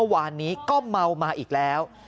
วานนี้ก็เมามาอีกแล้ว